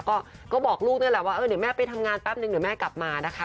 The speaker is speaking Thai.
ก็บอกลูกนี่แหละว่าเออเดี๋ยวแม่ไปทำงานแป๊บนึงเดี๋ยวแม่กลับมานะคะ